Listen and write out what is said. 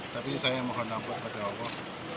tapi saya mohon ampun kepada allah